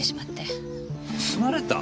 盗まれた！？